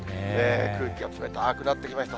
空気が冷たくなってきました。